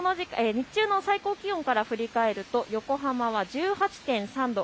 日中の最高気温から振り返ると横浜は１８．３度。